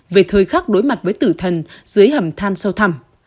về thời khắc đối mặt với tử thần dưới hầm thàn sâu thầm